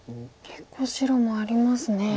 結構白もありますね。